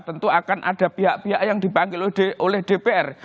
tentu akan ada pihak pihak yang dipanggil oleh dpr